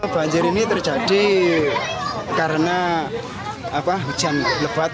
banjir ini terjadi karena hujan lebat